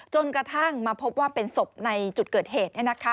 จนกระทั่งมาพบว่าเป็นศพในจุดเกิดเหตุ